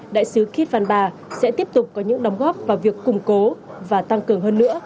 đại sứ kitvan ba sẽ tiếp tục có những đóng góp vào việc củng cố và tăng cường hơn nữa